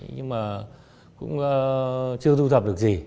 nhưng mà cũng chưa du thập được gì